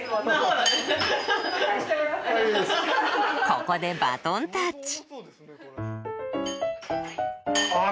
ここでバトンタッチ。